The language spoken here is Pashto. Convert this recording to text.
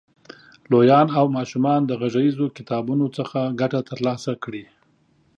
لویان او ماشومان د غږیزو کتابونو څخه ګټه تر لاسه کړي.